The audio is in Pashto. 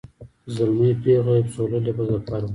زلمی پېغله یې پسوللي په ظفر وه